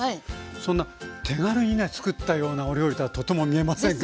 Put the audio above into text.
そんな手軽にねつくったようなお料理とはとても見えませんが。